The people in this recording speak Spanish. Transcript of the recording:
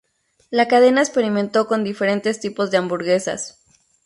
La cadena experimentó con diferentes tipos de hamburguesas.